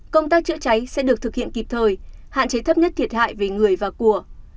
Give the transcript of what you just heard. công tác chữa cháy sẽ được thực hiện kịp thời hạn chế thấp nhất thiệt hại về người và của